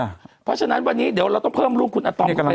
เพราะฉะนั้นวันนี้เดี๋ยวเราต้องเพิ่มลูกคุณอาตอมเข้าไป